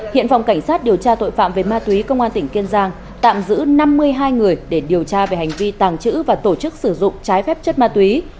hiện phòng cảnh sát điều tra tội phạm về ma túy công an tỉnh kiên giang tạm giữ năm mươi hai người để điều tra về hành vi tàng trữ và tổ chức sử dụng trái phép chất ma túy